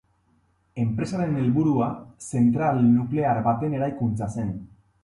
Enpresaren helburua zentral nuklear baten eraikuntza zen.